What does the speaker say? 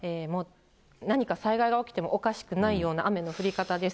何か災害が起きてもおかしくないような雨の降り方です。